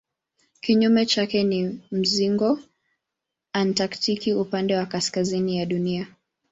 Kinyume chake ni mzingo antaktiki upande wa kaskazini ya Dunia.